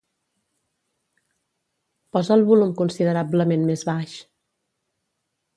Posa el volum considerablement més baix.